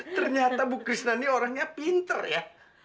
ternyata bu krisnani orangnya pinter ya